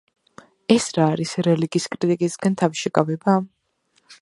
ეს რა არის, რელიგიის კრიტიკისგან თავის შეკავება?